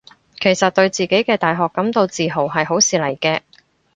其實對自己嘅大學感到自豪係好事嚟嘅